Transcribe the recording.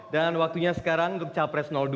dan waktunya sekarang untuk capres dua